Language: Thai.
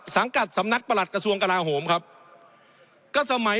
สังกัดสำนักประหลัดกระทรวงกลาโหมครับก็สมัย